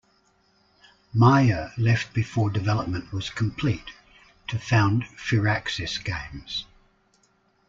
Meier left before development was complete to found Firaxis Games.